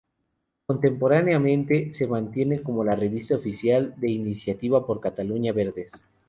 Contemporáneamente se mantiene como revista oficial de Iniciativa por Cataluña Verdes.